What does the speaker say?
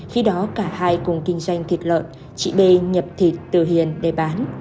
khi đó cả hai cùng kinh doanh thịt lợn chị bê nhập thịt từ hiền để bán